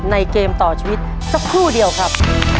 เกมต่อชีวิตสักครู่เดียวครับ